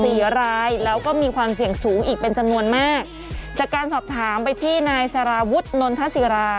สี่รายแล้วก็มีความเสี่ยงสูงอีกเป็นจำนวนมากจากการสอบถามไปที่นายสารวุฒินนทศิรา